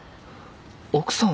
奥さんは？